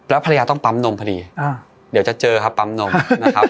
ภรรยาต้องปั๊มนมพอดีเดี๋ยวจะเจอครับปั๊มนมนะครับ